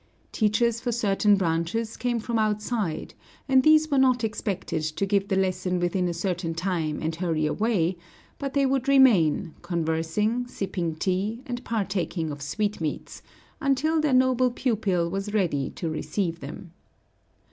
Teachers for certain branches came from outside, and these were not expected to give the lesson within a certain time and hurry away, but they would remain, conversing, sipping tea, and partaking of sweetmeats, until their noble pupil was ready to receive them.